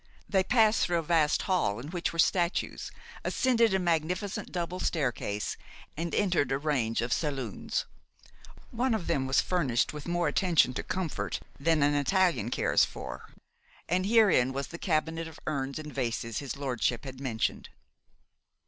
They passed through a vast hall, in which were statues, ascended a magnificent double staircase, and entered a range of saloons. One of them was furnished with more attention to comfort than an Italian cares for, and herein was the cabinet of urns and vases his lordship had mentioned.